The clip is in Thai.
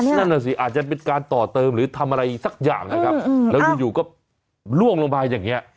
นั่นน่ะสิอาจจะเป็นการต่อเติมหรือทำอะไรสักอย่างนะครับแล้วอยู่ก็ล่วงลงมาอย่างนี้